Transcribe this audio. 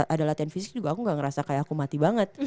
ada latihan fisik juga aku gak ngerasa kayak aku mati banget